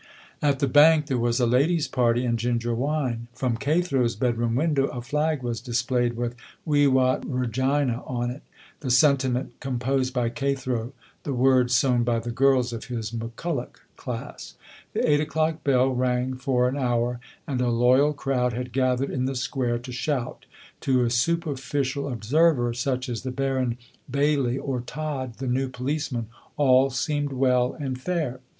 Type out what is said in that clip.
At the bank there was a ladies' party and ginger wine. From Cathro's bedroom window a flag was displayed with Vivat Regina on it, the sentiment composed by Cathro, the words sewn by the girls of his McCulloch class. The eight o'clock bell rang for an hour, and a loyal crowd had gathered in the square to shout. To a superficial observer, such as the Baron Bailie or Todd, the new policeman, all seemed well and fair.